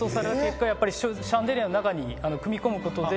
やっぱりシャンデリアの中に組み込むことで。